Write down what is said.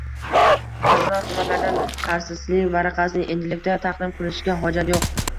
Kommunal xizmatlardan qarzsizlik varaqasini endilikda taqdim qilishga hojat yo'q.